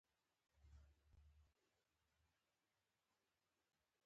د کچالو شیره د څه لپاره وکاروم؟